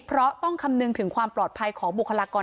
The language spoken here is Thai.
เพราะต้องคำนึงถึงความปลอดภัยของบุคลากร